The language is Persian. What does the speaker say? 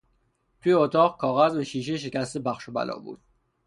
توی اتاق، کاغذ و شیشه شکسته پخش و پلا بود.